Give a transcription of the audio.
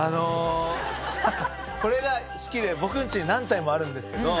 これが好きで僕ん家に何体もあるんですけど。